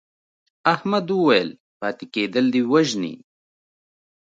احمد وویل پاتې کېدل دې وژني.